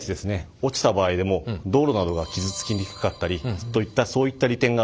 落ちた場合でも道路などが傷つきにくかったりといったそういった利点があります。